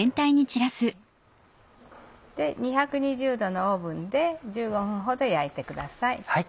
２２０℃のオーブンで１５分ほど焼いてください。